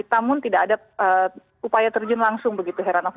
namun tidak ada upaya terjun langsung begitu heran aku